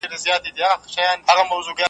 چي د ښار په منځ کی پاته لا پوهان وي .